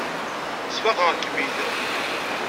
Sfaqeɣ-kem-id.